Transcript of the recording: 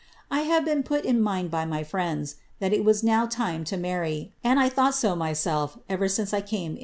I have been put in mind by my friends, ■ now time to marry, and I have thought so myself ever since I came